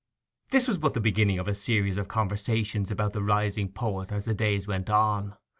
This was but the beginning of a series of conversations about the rising poet as the days went on.